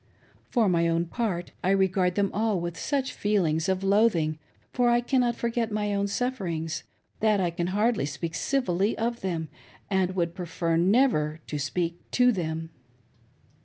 For my own part I regard them all with such feelings of loathing — for I cannot forget my own sufferings — that I can hiardly speak civilly of them, and would prefer never to speak to them.